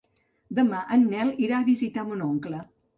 Demà en Nel irà a visitar mon oncle.